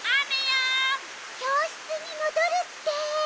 きょうしつにもどるって。